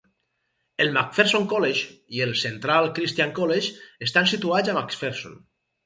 El McPherson College i el Central Christian College estan situats a McPherson.